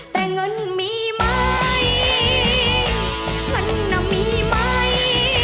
แต่เงินมีไหมมันน่ะมีไหม